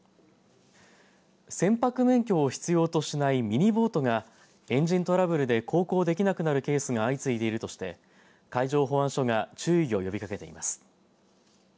船舶免許を必要としないミニボートがエンジントラブルで航行できなくなるケースが相次いでいるとして海上保安署が注意を呼びかけています。